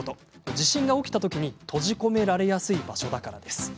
地震が起きたときに閉じ込められやすい場所だからです。